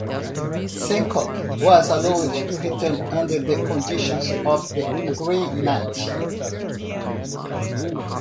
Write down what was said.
Sankoh was allowed to return under the conditions of the agreement.